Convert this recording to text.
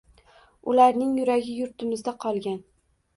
Ularning yuragi yurtimizda qolgan